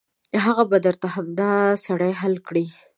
هغه به درته همدا سړی حل کړي.